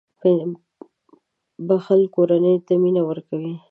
• بښل کورنۍ ته مینه ورکوي.